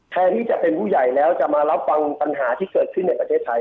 แทนที่จะเป็นผู้ใหญ่แล้วจะมารับฟังปัญหาที่เกิดขึ้นในประเทศไทย